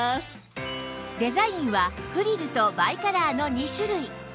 デザインはフリルとバイカラーの２種類